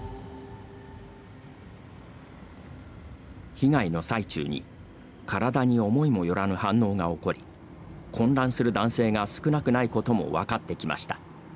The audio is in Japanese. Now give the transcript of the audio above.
被害の最中に体に思いもよらぬ反応が起こり混乱する男性が少なくないことも分かってきました。